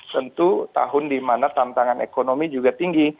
tentu tahun di mana tantangan ekonomi juga tinggi